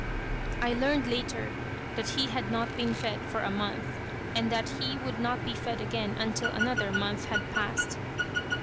I learned later that he had not been fed for a month, and that he would not be fed again until another month had passed.